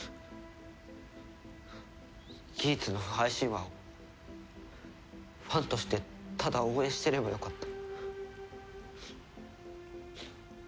ギーツの不敗神話をファンとしてただ応援してればよかった。